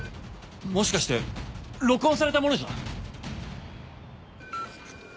もしかして録音されたものじゃ？